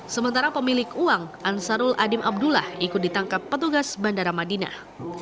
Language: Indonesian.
sementara pemilik uang ansarul adim abdullah ikut ditangkap petugas bandara madinah